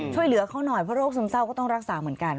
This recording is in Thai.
ช่วยเหลือเขาหน่อยเพราะโรคซึมเศร้าก็ต้องรักษาเหมือนกัน